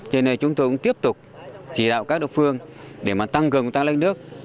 cho nên chúng tôi cũng tiếp tục chỉ đạo các độc phương để tăng cường tăng lấy nước